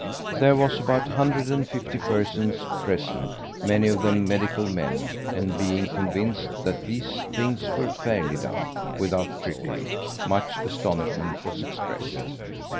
There was about 150 persons present, many of them medical men; and being convinced that these things were fairly done, without trickery, much astonishment was expressed.